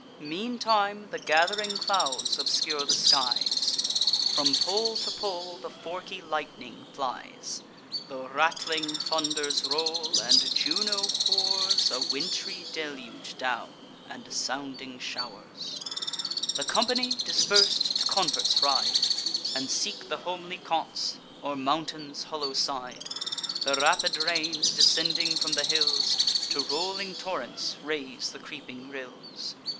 Meantime, the gath'ring clouds obscure the skies: From pole to pole the forky lightning flies; The rattling thunders roll; and Juno pours A wintry deluge down, and sounding show'rs. The company, dispers'd, to converts ride, And seek the homely cots, or mountain's hollow side. The rapid rains, descending from the hills, To rolling torrents raise the creeping rills.